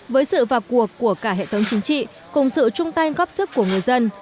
với sự vào cuộc của cả hệ thống chính trị cùng sự chung tay góp sức của người dân